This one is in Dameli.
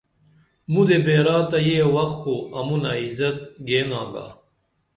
مُدے بیرا تہ یہ وخ خو امُنہ عزت گین آگا